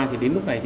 thì đến lúc này